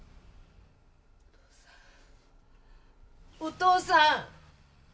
お父さん！